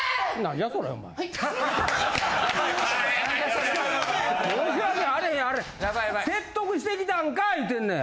・ヤバいヤバい・説得してきたんか言うてんねん。